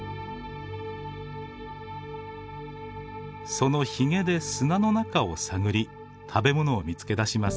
そのひげで砂の中を探り食べ物を見つけ出します。